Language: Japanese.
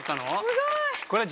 すごい。